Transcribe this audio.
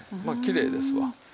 まあきれいですわ。